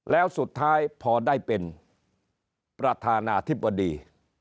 แล้วสุดท้ายพอได้เป็นประธานาธิบดี